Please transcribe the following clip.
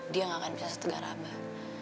dia gak akan bisa setegar abah